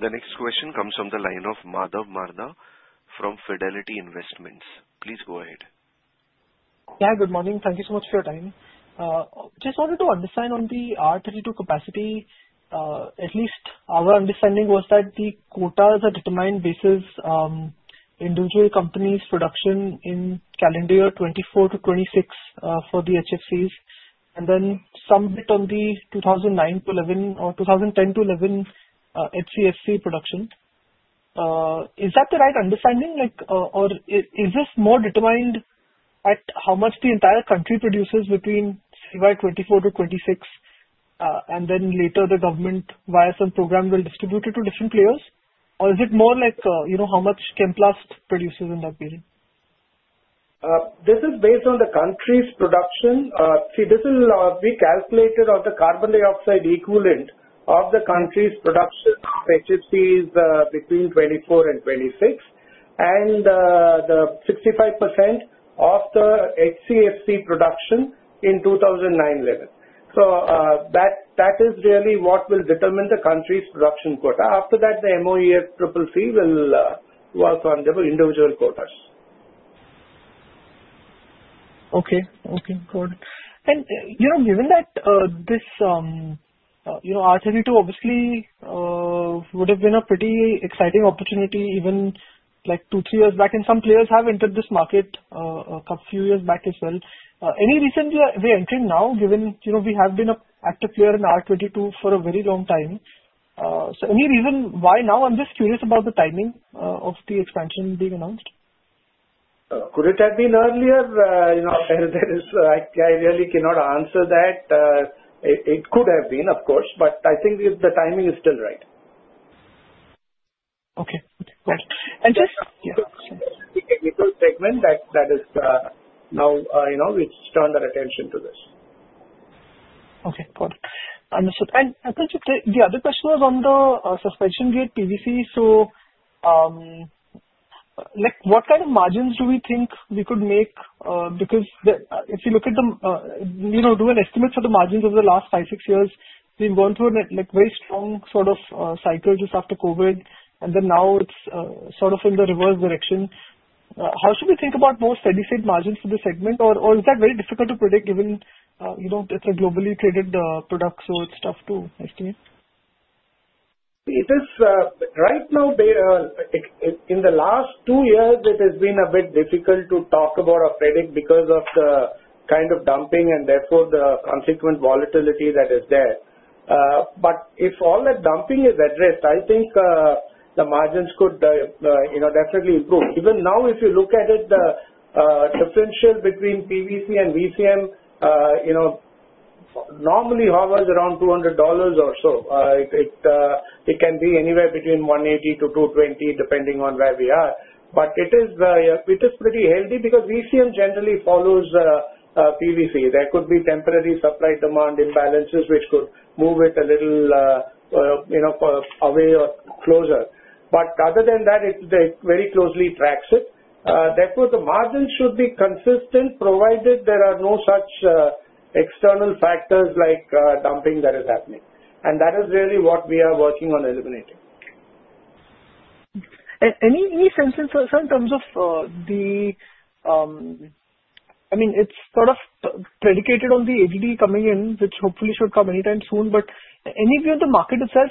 The next question comes from the line of Madhav Marda from Fidelity Investments. Please go ahead. Yeah. Good morning. Thank you so much for your time. Just wanted to understand on the R-32 capacity. At least our understanding was that the quotas are determined based on individual companies' production in calendar year 2024-2026 for the HFCs, and then some bit on the 2010-2011 HCFC production. Is that the right understanding, or is this more determined at how much the entire country produces between 2024-2026, and then later the government via some program will distribute it to different players? Or is it more like how much Chemplast produces in that period? This is based on the country's production. See, we calculated on the carbon dioxide equivalent of the country's production of HFCs between 2024 and 2026 and the 65% of the HCFC production in 2009 level. So that is really what will determine the country's production quota. After that, the MOEFCC will work on individual quotas. Okay. Okay. Got it. And given that this R-32 obviously would have been a pretty exciting opportunity even two, three years back, and some players have entered this market a few years back as well. Any reason you are re-entering now, given we have been an active player in R22 for a very long time? So any reason why now? I'm just curious about the timing of the expansion being announced. Could it have been earlier? I really cannot answer that. It could have been, of course, but I think the timing is still right. Okay. Okay. Got it. And just. The chemical segment that is now, we've turned our attention to this. Okay. Got it. Understood. And the other question was on the Suspension PVC. So what kind of margins do we think we could make? Because if you look at to do an estimate for the margins over the last five, six years, we've gone through a very strong sort of cycle just after COVID, and then now it's sort of in the reverse direction. How should we think about more steady-state margins for the segment, or is that very difficult to predict given it's a globally traded product? So it's tough to estimate. Right now, in the last two years, it has been a bit difficult to talk about a prediction because of the kind of dumping and therefore the consequent volatility that is there. But if all that dumping is addressed, I think the margins could definitely improve. Even now, if you look at it, the differential between PVC and VCM normally hovers around $200 or so. It can be anywhere between $180-$220, depending on where we are. But it is pretty healthy because VCM generally follows PVC. There could be temporary supply-demand imbalances which could move it a little away or closer. But other than that, it very closely tracks it. Therefore, the margins should be consistent provided there are no such external factors like dumping that is happening, and that is really what we are working on eliminating. Any sense in terms of the, I mean, it's sort of predicated on the ADD coming in, which hopefully should come anytime soon. But any view on the market itself?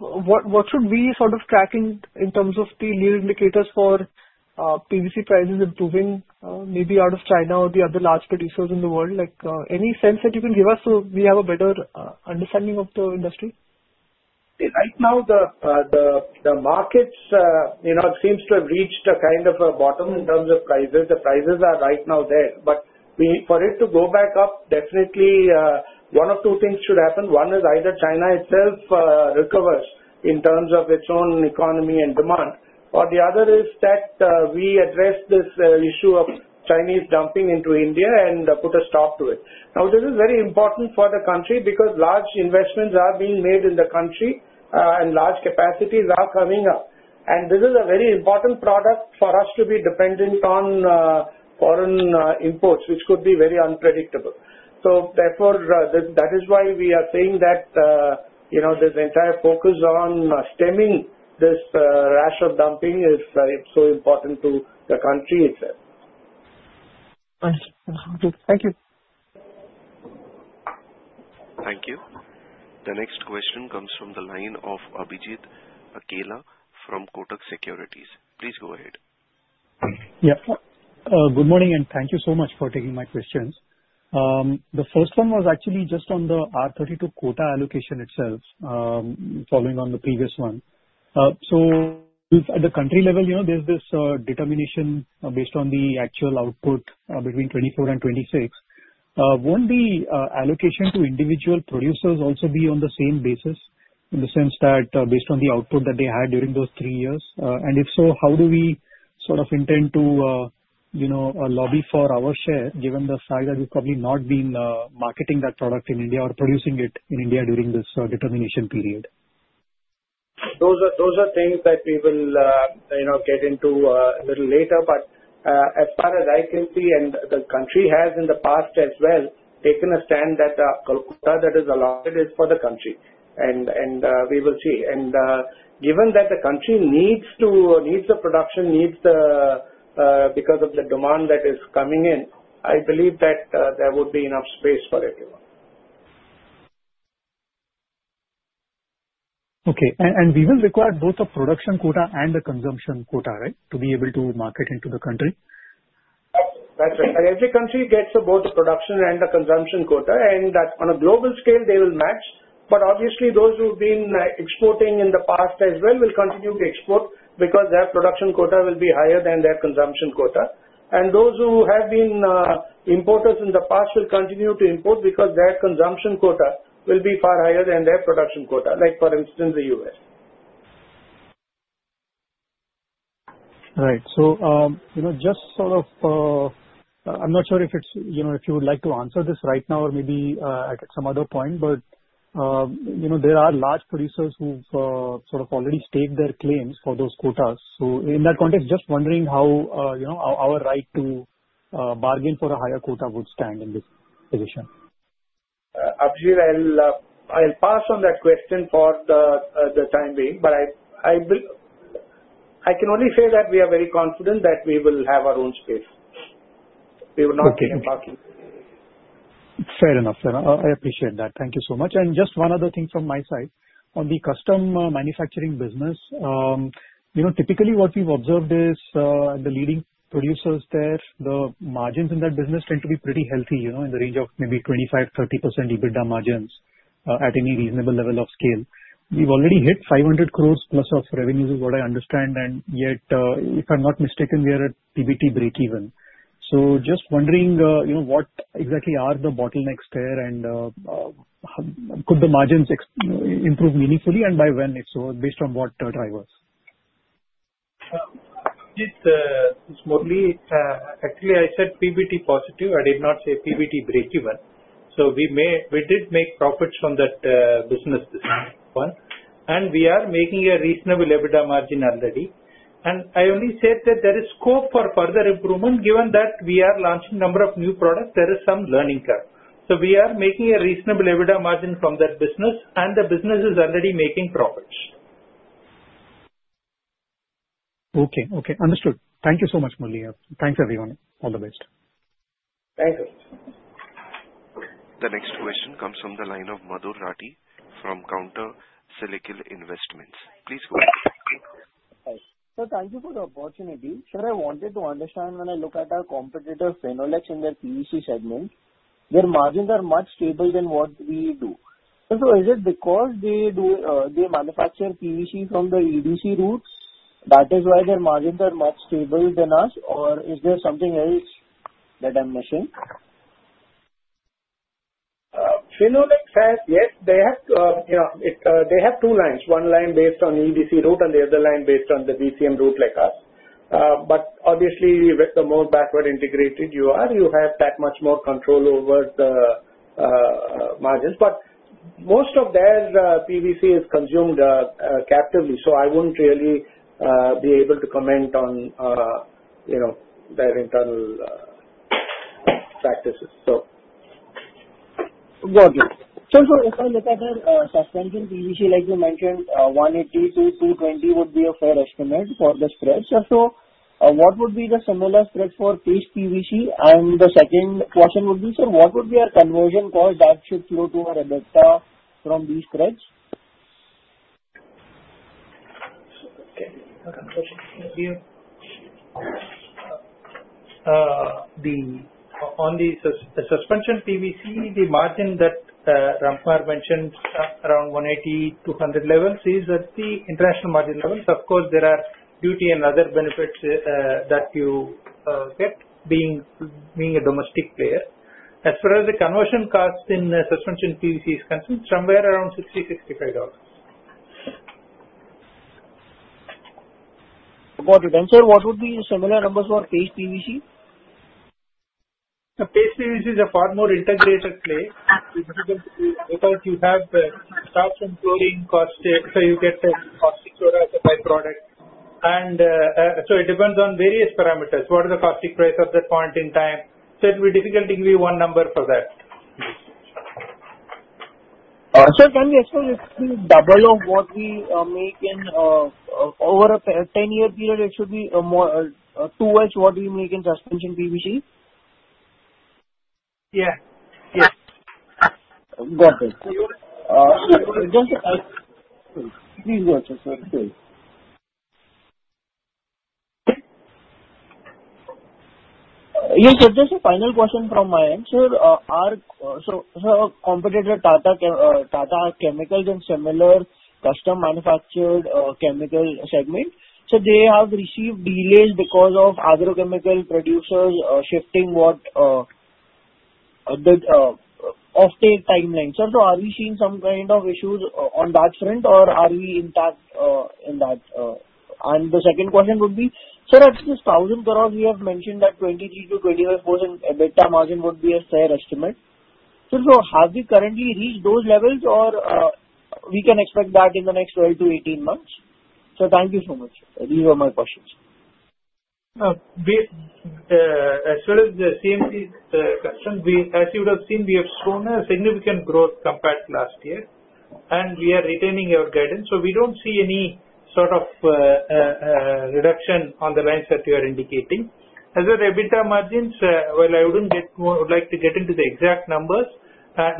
What should we sort of track in terms of the lead indicators for PVC prices improving, maybe out of China or the other large producers in the world? Any sense that you can give us so we have a better understanding of the industry? Right now, the market seems to have reached a kind of a bottom in terms of prices. The prices are right now there. But for it to go back up, definitely one of two things should happen. One is either China itself recovers in terms of its own economy and demand, or the other is that we address this issue of Chinese dumping into India and put a stop to it. Now, this is very important for the country because large investments are being made in the country and large capacities are coming up. And this is a very important product for us to be dependent on foreign imports, which could be very unpredictable. So therefore, that is why we are saying that this entire focus on stemming this rash of dumping is so important to the country itself. Understood. Thank you. Thank you. The next question comes from the line of Abhijit Akella from Kotak Securities. Please go ahead. Yeah. Good morning, and thank you so much for taking my questions. The first one was actually just on the R-32 quota allocation itself, following on the previous one. So at the country level, there's this determination based on the actual output between 2024 and 2026. Would the allocation to individual producers also be on the same basis in the sense that based on the output that they had during those three years? And if so, how do we sort of intend to lobby for our share, given the fact that we've probably not been marketing that product in India or producing it in India during this determination period? Those are things that we will get into a little later. But as far as I can see, and the country has in the past as well taken a stand that the quota that is allotted is for the country. And we will see. And given that the country needs the production because of the demand that is coming in, I believe that there would be enough space for it. Okay. And we will require both a production quota and a consumption quota, right, to be able to market into the country? That's right. Every country gets both the production and the consumption quota, and on a global scale, they will match. But obviously, those who have been exporting in the past as well will continue to export because their production quota will be higher than their consumption quota. And those who have been importers in the past will continue to import because their consumption quota will be far higher than their production quota, like for instance, the U.S. Right. So just sort of I'm not sure if you would like to answer this right now or maybe at some other point, but there are large producers who've sort of already staked their claims for those quotas. So in that context, just wondering how our right to bargain for a higher quota would stand in this position? Abhijit, I'll pass on that question for the time being, but I can only say that we are very confident that we will have our own space. We will not be embarking. Fair enough. Fair enough. I appreciate that. Thank you so much. And just one other thing from my side. On the custom manufacturing business, typically what we've observed is the leading producers there, the margins in that business tend to be pretty healthy in the range of maybe 25%-30% EBITDA margins at any reasonable level of scale. We've already hit 500 crores plus of revenues, is what I understand, and yet, if I'm not mistaken, we are at PBT break-even. So just wondering, what exactly are the bottlenecks there, and could the margins improve meaningfully, and by when? If so, based on what drivers? Actually, I said PBT positive. I did not say PBT break-even. So we did make profits from that business this one. And we are making a reasonable EBITDA margin already. And I only said that there is scope for further improvement given that we are launching a number of new products. There is some learning curve. So we are making a reasonable EBITDA margin from that business, and the business is already making profits. Okay. Okay. Understood. Thank you so much, Murali. Thanks, everyone. All the best. Thank you. The next question comes from the line of Madhur Rathi from Counter Cyclical Investments. Please go ahead. Thank you for the opportunity. Sir, I wanted to understand when I look at our competitor, Finolex, in their PVC segment, their margins are much stable than what we do. So is it because they manufacture PVC from the EDC route? That is why their margins are much stable than us, or is there something else that I'm missing? Finolex has, yes, they have two lines. One line based on EDC route and the other line based on the VCM route like us. But obviously, the more backward integrated you are, you have that much more control over the margins. But most of their PVC is consumed captively, so I wouldn't really be able to comment on their internal practices, so. Got it. So if I look at their suspension PVC, like you mentioned, $180-$220 would be a fair estimate for the spreads. So what would be the similar spreads for this PVC? And the second question would be, sir, what would be our conversion cost that should flow to our EBITDA from these spreads? Okay. On the Suspension PVC, the margin that Ramkumar mentioned, around $180-$200 levels, is at the international margin level. Of course, there are duty and other benefits that you get being a domestic player. As far as the conversion cost in Suspension PVC is concerned, somewhere around $60-$65. Got it, and sir, what would be similar numbers for Paste PVC? Paste PVC is a far more integrated play. Because you have caustic and chlorine cost, so you get chlorine as a byproduct. And so it depends on various parameters. What is the chlorine price at that point in time? So it will be difficult to give you one number for that. Sir, can we estimate it to be double of what we make in over a 10-year period? It should be two x what we make in suspension PVC? Yeah. Yeah. Got it. Please go ahead, sir. Please. Yes, sir. Just a final question from my end. Sir, our competitor, Tata Chemicals, is a similar custom manufactured chemical segment. So they have received delays because of other chemical producers shifting off-take timelines. So are we seeing some kind of issues on that front, or are we intact in that? And the second question would be, sir, at this 1,000 crores, we have mentioned that 23%-25% EBITDA margin would be a fair estimate. So have we currently reached those levels, or we can expect that in the next 12-18 months? So thank you so much. These were my questions. As far as the CMC concerned, as you would have seen, we have shown a significant growth compared to last year, and we are retaining our guidance. So we don't see any sort of reduction on the lines that you are indicating. As for EBITDA margins, well, I wouldn't like to get into the exact numbers.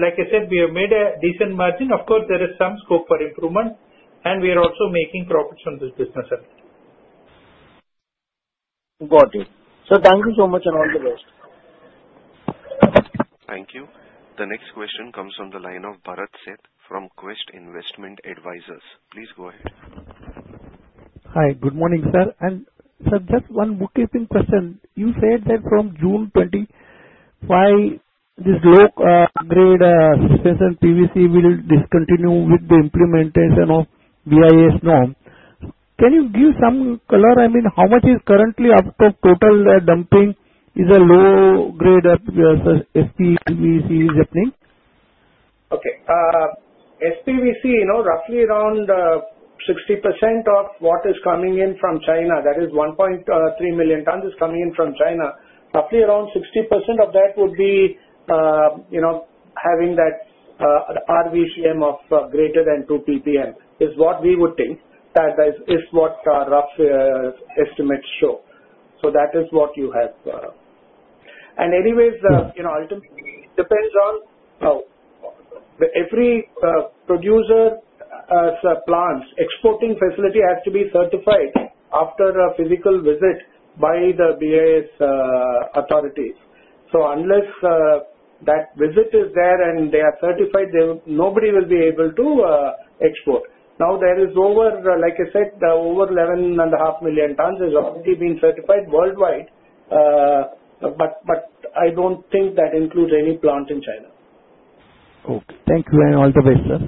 Like I said, we have made a decent margin. Of course, there is some scope for improvement, and we are also making profits on this business. Got it. So thank you so much and all the best. Thank you. The next question comes from the line of Bharat Sheth from Quest Investment Advisors. Please go ahead. Hi. Good morning, sir. And sir, just one bookkeeping question. You said that from June 25, this low-grade Suspension PVC will discontinue with the implementation of BIS norm. Can you give some color? I mean, how much is currently out of total dumping? Is a low-grade SPVC happening? Okay. SPVC, roughly around 60% of what is coming in from China, that is 1.3 million tons, is coming in from China. Roughly around 60% of that would be having that RVCM of greater than 2 PPM is what we would think that is what rough estimates show. So that is what you have. Anyways, ultimately, it depends on every producer's plants. Exporting facility has to be certified after a physical visit by the BIS authorities. So unless that visit is there and they are certified, nobody will be able to export. Now, there is, like I said, over 11.5 million tons is already being certified worldwide, but I don't think that includes any plant in China. Okay. Thank you. And all the best, sir.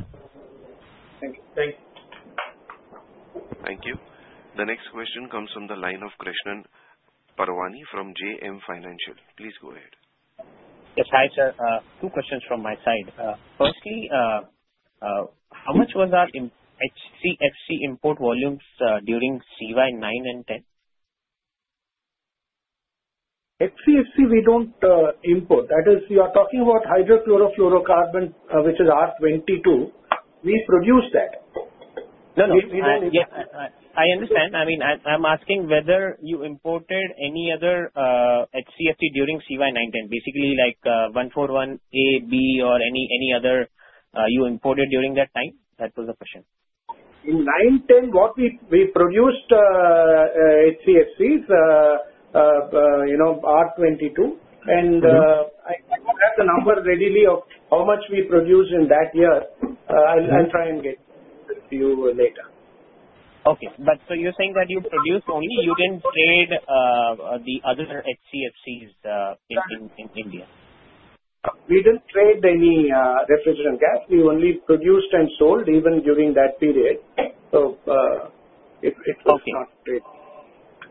Thank you. Thank you. Thank you. The next question comes from the line of Krishan Parwani from JM Financial. Please go ahead. Yes. Hi, sir. Two questions from my side. Firstly, how much was our HCFC import volumes during CY 2009 and 2010? HCFC, we don't import. That is, you are talking about hydrochlorofluorocarbon, which is R-22. We produce that. No, no. I understand. I mean, I'm asking whether you imported any other HCFC during CY 2009, 2010, basically like 141A, B, or any other you imported during that time. That was the question. In 2009, 2010, we produced HCFCs, R-22. I don't have the number readily of how much we produced in that year. I'll try and get you later. Okay. But so you're saying that you produced only? You didn't trade the other HCFCs in India? We didn't trade any refrigerant gas. We only produced and sold even during that period. So it was not traded.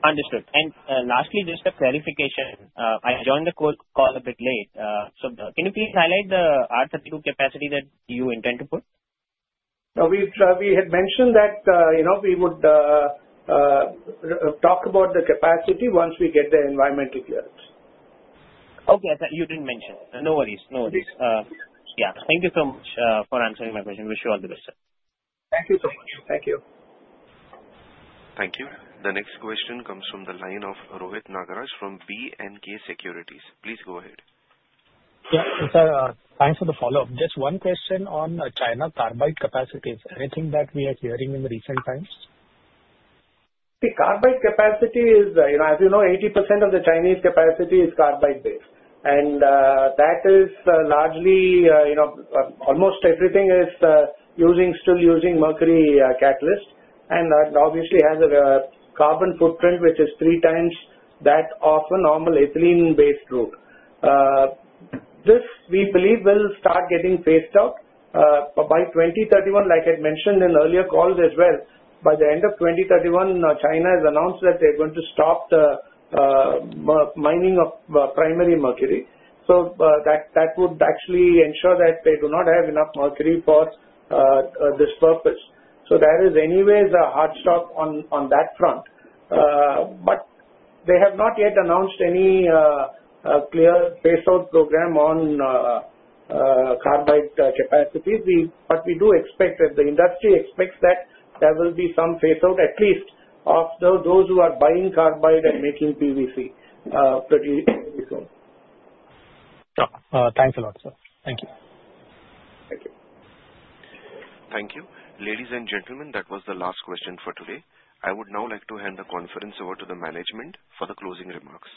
Understood. And lastly, just a clarification. I joined the call a bit late. So can you please highlight the R-32 capacity that you intend to put? We had mentioned that we would talk about the capacity once we get the environmental clearance. Okay. You didn't mention. No worries. No worries. Yeah. Thank you so much for answering my question. Wish you all the best, sir. Thank you so much. Thank you. Thank you. The next question comes from the line of Rohit Nagraj from B&K Securities. Please go ahead. Yeah. Sir, thanks for the follow-up. Just one question on China carbide capacity. Is there anything that we are hearing in recent times? The carbide capacity is, as you know, 80% of the Chinese capacity is carbide-based, and that is largely, almost everything is still using mercury catalysts, and that obviously has a carbon footprint, which is three times that of a normal ethylene-based route. This, we believe, will start getting phased out by 2031, like I had mentioned in earlier calls as well. By the end of 2031, China has announced that they're going to stop the mining of primary mercury, so that would actually ensure that they do not have enough mercury for this purpose, so there is anyways a hard stop on that front, but they have not yet announced any clear phase-out program on carbide capacity, but we do expect that the industry expects that there will be some phase-out, at least of those who are buying carbide and making PVC pretty soon. Thanks a lot, sir. Thank you. Thank you. Thank you. Ladies and gentlemen, that was the last question for today. I would now like to hand the conference over to the management for the closing remarks.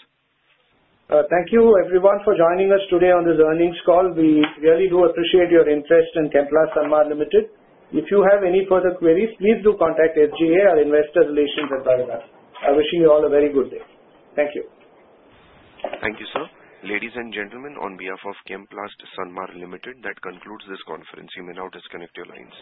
Thank you, everyone, for joining us today on this earnings call. We really do appreciate your interest in Chemplast Sanmar Limited. If you have any further queries, please do contact SGA, our investor relations advisor. I wish you all a very good day. Thank you. Thank you, sir. Ladies and gentlemen, on behalf of Chemplast Sanmar Limited, that concludes this conference. You may now disconnect your lines.